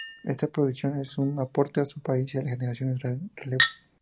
Esta producción es un aporte a su país y a las generaciones de relevo.